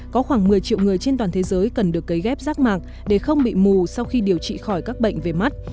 có khoảng một mươi triệu người trên toàn thế giới cần được cấy ghép rác mạc để không bị mù sau khi điều trị khỏi các bệnh về mắt